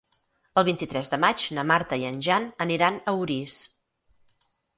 El vint-i-tres de maig na Marta i en Jan aniran a Orís.